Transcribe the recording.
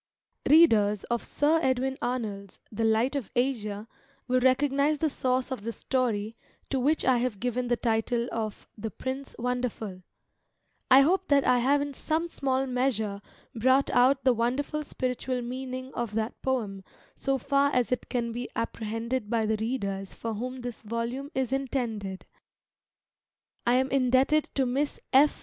Readers of Sir Edwin Arnold's The Light of Asia ,i PREFACE will recognise the source of the story to which I have given the title of The Prince Wonderful I hope that I have in some small measure brought out the wonderful spiritual meaning of that poem so far as it can be apprehended by the readers for whom this volume is intended. I am indebted to Miss F.